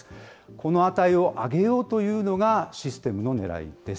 この値を上げようというのが、システムのねらいです。